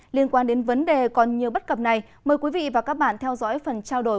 liên quan đến vấn đề còn nhiều bất cập này mời quý vị và các bạn theo dõi phần trao đổi